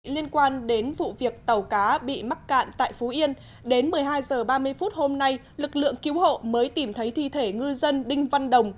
liên quan đến vụ việc tàu cá bị mắc cạn tại phú yên đến một mươi hai h ba mươi phút hôm nay lực lượng cứu hộ mới tìm thấy thi thể ngư dân đinh văn đồng